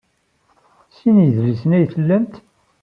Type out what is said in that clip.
Sin n yidlisen ay tlamt?